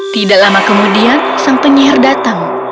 tidak lama kemudian sang penyihir datang